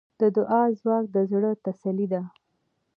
د دعا ځواک د زړۀ تسلي ده.